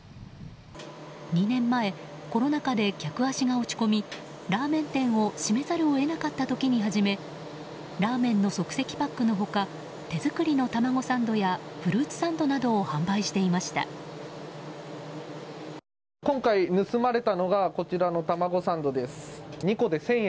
２年前、コロナ禍で客足が落ち込みラーメン店を閉めざるを得なかった時に始めラーメンの即席パックの他手作りのタマゴサンドやフルーツサンドなどを販売していました。